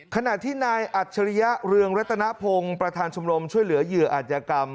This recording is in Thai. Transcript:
ขณะที่นายอัจฉริยะเรืองรัตนพงศ์ประธานชมรมช่วยเหลือเหยื่ออาจยกรรม